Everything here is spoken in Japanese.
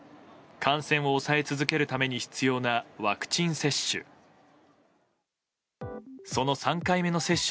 感染を抑え続けるために必要なワクチン接種。